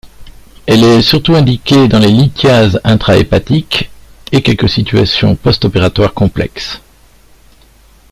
Elle est surtout indiquée dans les lithiases intrahépatiques, et quelques situations post-opératoires complexes.